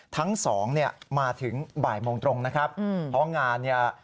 ทั้งสองเนี่ยมาถึงบ่ายโมงตรงนะครับเพราะงานเนี่ย